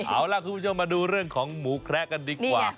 เอาล่ะคุณผู้ชมมาดูเรื่องของหมูแคระกันดีกว่า